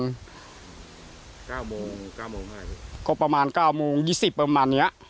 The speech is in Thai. เก้าโมงเก้าโมงให้ก็ประมาณเก้าโมงยี่สิบประมาณเนี้ย